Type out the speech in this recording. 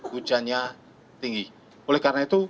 hujannya tinggi oleh karena itu